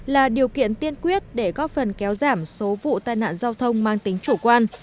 là điều kiện tiên quyết để góp phần kéo giảm số vụ tai nạn giao thông mang tính chủ quan